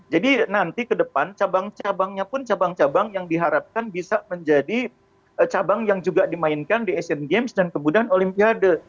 jadi nanti ke depan cabang cabangnya pun cabang cabang yang diharapkan bisa menjadi cabang yang juga dimainkan di asian games dan kemudian olimpiade